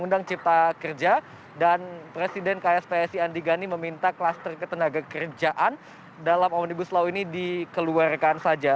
dan presiden kspsi andi gani meminta klaster ketenaga kerjaan dalam omnibus law ini dikeluarkan saja